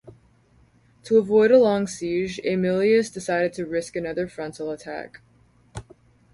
To avoid a long siege, Aemilius decided to risk another frontal attack.